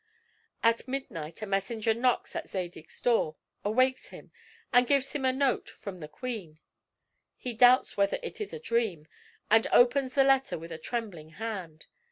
At midnight a messenger knocks at Zadig's door, awakes him, and gives him a note from the queen. He doubts whether it is a dream; and opens the letter with a trembling hand.